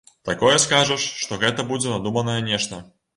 Такое скажаш, што гэта будзе надуманае нешта.